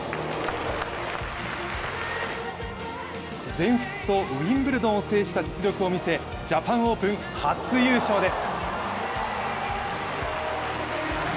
全仏とウィンブルドンを制した実力を見せ、ジャパンオープン初優勝です。